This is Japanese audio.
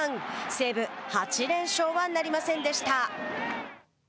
西武、８連勝はなりませんでした。